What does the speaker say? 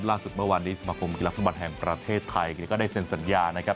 ล่าสุดเมื่อวานนี้สมาคมกีฬาฟุตบอลแห่งประเทศไทยก็ได้เซ็นสัญญานะครับ